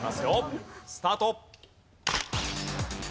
スタート。